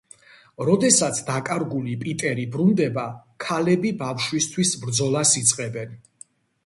როდესაც დაკარგული პიტერი ბრუნდება, ქალები ბავშვისთვის ბრძოლას იწყებენ.